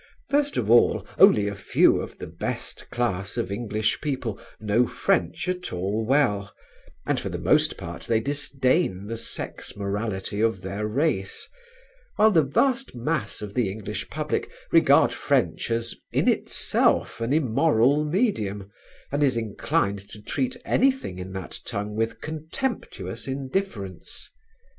First of all only a few of the best class of English people know French at all well, and for the most part they disdain the sex morality of their race; while the vast mass of the English public regard French as in itself an immoral medium and is inclined to treat anything in that tongue with contemptuous indifference.